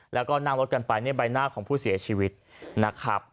แล้วก็นั่งรถกันไปในใบหน้าของผู้เสียชีวิตนะครับ